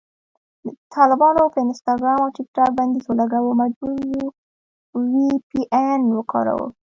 طالبانو په انسټاګرام او ټیکټاک بندیز ولګاوو، مجبور یو وي پي این وکاروو